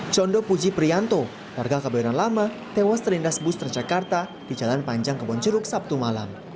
condo puji prianto warga kabairan lama tewas terlindas bus transjakarta di jalan panjang kebonjeruk sabtu malam